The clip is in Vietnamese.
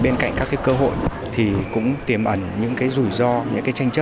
nhiều yếu tố